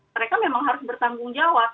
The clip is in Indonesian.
mereka memang harus bertanggung jawab